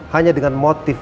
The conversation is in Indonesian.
hanya dengan motif